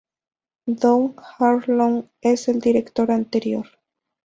Don Harlow es el director anterior.